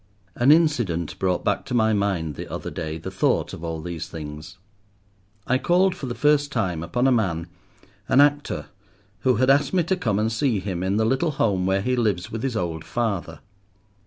An incident brought back to my mind, the other day, the thought of all these things. I called for the first time upon a man, an actor, who had asked me to come and see him in the little home where he lives with his old father.